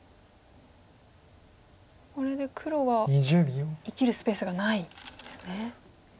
これで黒は生きるスペースがないんですね。